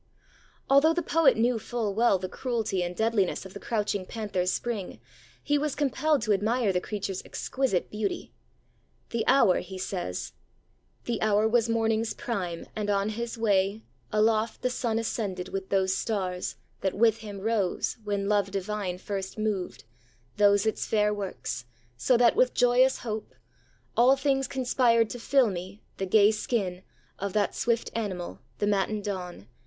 Although the poet knew full well the cruelty and deadliness of the crouching panther's spring, he was compelled to admire the creature's exquisite beauty. 'The hour,' he says, The hour was morning's prime, and on his way. Aloft the sun ascended with those stars That with him rose, when Love divine first moved Those its fair works; so that with joyous hope All things conspire to fill me, the gay skin Of that swift animal, the matin dawn.